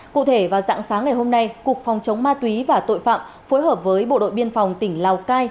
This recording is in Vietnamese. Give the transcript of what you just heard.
cụ thể vào dạng sáng ngày hôm nay cục phòng chống ma túy và tội phạm phối hợp với bộ đội biên phòng tỉnh lào cai